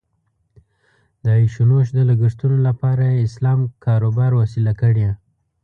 د عیش او نوش د لګښتونو لپاره یې اسلام کاروبار وسیله کړې.